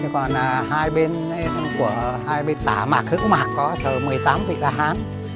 còn hai bên tả mạc hữu mạc có thờ một mươi tám vị la hán